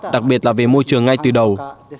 đặc biệt là về môi trường ngay từ đầu